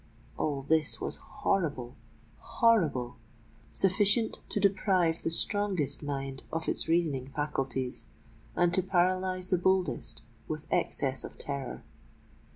All this was horrible—horrible,—sufficient to deprive the strongest mind of its reasoning faculties, and to paralyse the boldest with excess of terror!